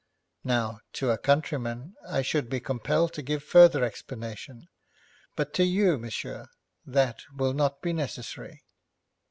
Now, to a countryman, I should be compelled to give further explanation, but to you, monsieur, that will not be necessary.'